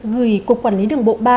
gửi cục quản lý đường bộ ba